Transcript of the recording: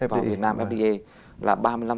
vào việt nam fda là